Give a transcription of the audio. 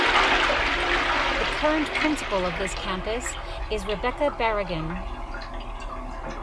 The current principal of this campus is Rebeca Barragan.